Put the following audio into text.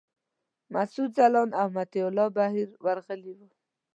مسعود ځلاند او مطیع الله بهیر ورغلي وو.